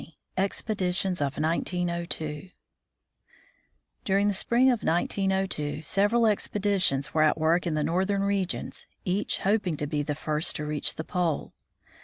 XX. EXPEDITIONS OF 1902 During the spring of 1902, several expeditions were at work in the Northern regions, each hoping to be the first to reach the pole.